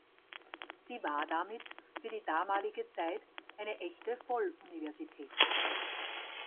Sie war damit, für die damalige Zeit, eine echte Volluniversität.